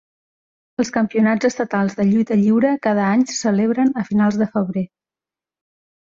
Els campionats estatals de lluita lliure cada any se celebren a finals de febrer.